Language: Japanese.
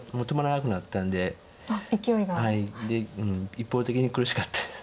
一方的に苦しかったです。